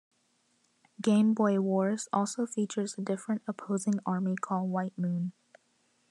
"Game Boy Wars" also features a different opposing army called White Moon.